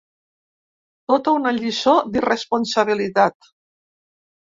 Tota una lliçó d’irresponsabilitat.